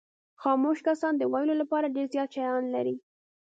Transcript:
خاموش کسان د ویلو لپاره ډېر زیات شیان لري.